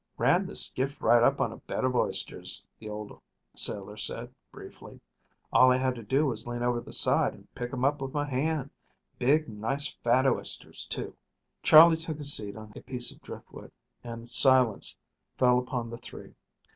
"Ran the skiff right up on a bed of oysters," the old sailor said briefly. "All I had to do was lean over the side and pick 'em up with my hand big, nice, fat oysters, too." Charley took a seat on a piece of driftwood, and silence fell upon the three.